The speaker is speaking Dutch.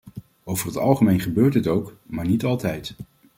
Over het algemeen gebeurt dit ook, maar niet altijd.